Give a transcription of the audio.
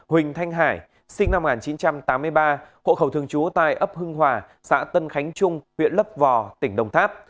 huỳnh thanh hải sinh năm một nghìn chín trăm tám mươi ba hộ khẩu thường trú tại ấp hưng hòa xã tân khánh trung huyện lấp vò tỉnh đồng tháp